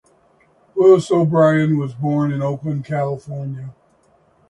Willis O'Brien was born in Oakland, California.